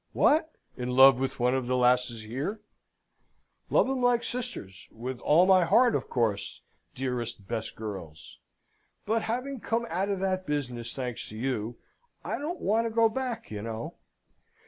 "What! in love with one of the lasses here?" "Love 'em like sisters with all my heart, of course, dearest, best girls! but, having come out of that business, thanks to you, I don't want to go back, you know.